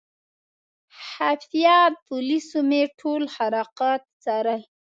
خفیه پولیسو مې ټول حرکات څارل.